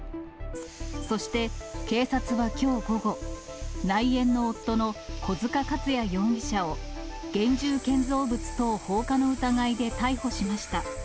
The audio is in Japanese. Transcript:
そして、警察はきょう午後、内縁の夫の小塚勝也容疑者を、現住建造物等放火の疑いで逮捕しました。